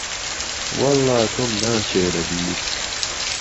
وهڵڵا تۆم ناچێ له بیر